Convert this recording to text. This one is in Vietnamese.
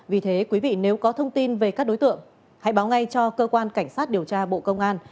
vì thế quý vị nếu có thông tin về các đối tượng hãy báo ngay cho cơ quan cảnh sát điều tra bộ công an